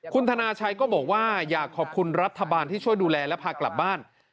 คุณธนาชัยก็บอกว่าอยากขอบคุณรัฐบาลที่ช่วยดูแลและพากลับบ้าน